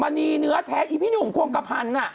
มาหนีเนื้อแท๊กอีพี่หนุ่มโครงกระพันธ์น่ะ